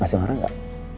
masih marah gak